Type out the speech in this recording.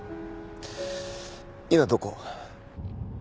今どこ？